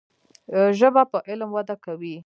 ژبه په علم وده کوي.